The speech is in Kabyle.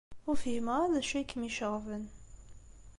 Ur fhimeɣ ara d acu ay kem-iceɣben.